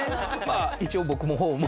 一応僕の方も。